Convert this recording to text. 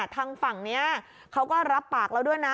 ทางฝั่งนี้เขาก็รับปากแล้วด้วยนะ